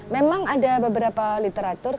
memang ada beberapa literatur